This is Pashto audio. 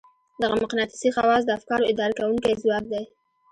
دغه مقناطيسي خواص د افکارو اداره کوونکی ځواک دی.